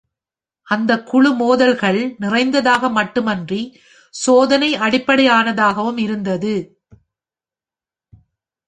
அந்த குழு மோதல்கள் நிறைந்ததாக மட்டுமின்றி சோதனை அடிப்படையானதாகவும் இருந்தது.